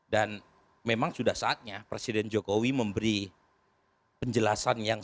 dan memang sudah saatnya presiden jokowi memberi penjelasan yang